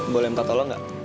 boleh minta tolong gak